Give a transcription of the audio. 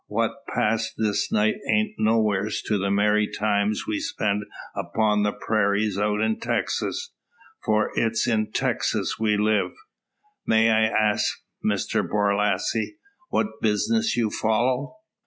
What's passed this night ain't nowheres to the merry times we spend upon the prairies out in Texas for it's in Texas we live." "May I ask, Mr Borlasse, what business you follow?"